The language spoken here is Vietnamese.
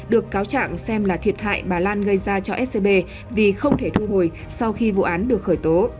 được cáo trạng xem là thiệt hại bà lan gây ra cho scb vì không thể thu hồi sau khi vụ án được khởi tố